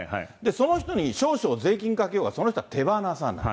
その人に少々税金かけようがその人は手放さない。